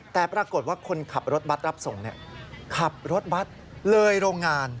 แต่ปรากฏว่าคนขับรถบัตรรับส่งขับรถบัตรเลยโรงงาน